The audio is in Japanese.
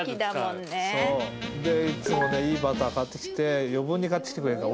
いつもねいいバター買ってきて余分に買ってきてくれるの。